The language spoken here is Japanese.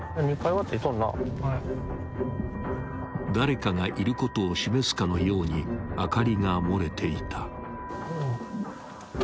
［誰かがいることを示すかのように明かりが漏れていた］